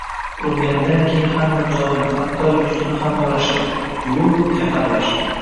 O‘lganidan keyin hamma joyini, hatto yuzini ham o‘rashdi: yuvib, kafanlashdi.